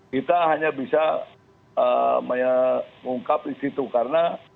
kita hanya bisa mengungkap di situ karena